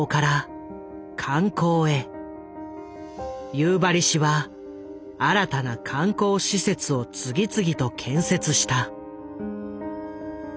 夕張市は新たな観光施設を次々と建設した。